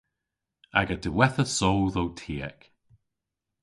Aga diwettha soodh o tiek.